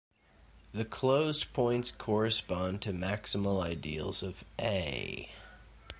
The closed points correspond to maximal ideals of "A".